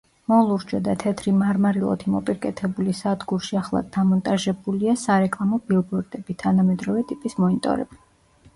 მოლურჯო და თეთრი მარმარილოთი მოპირკეთებული სადგურში ახლად დამონტაჟებულია სარეკლამო ბილბორდები, თანამედროვე ტიპის მონიტორები.